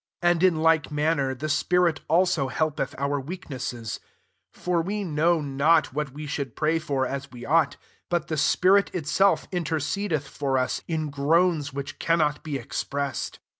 26 And in like manner, the spirit also helpeth our weak nesses: for we know not what we should pray for as we ought: but the spirit itself intercedeth [for us] in groans which cannot be expressed.